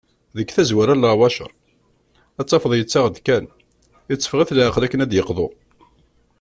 Deg tazwara n leɛwacar, ad t-tafeḍ yettaɣ-d kan, itteffeɣ-it leɛqel akken ad d-yeqḍu.